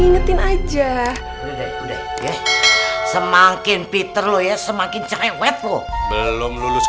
setelah itu kita bakar biar mampus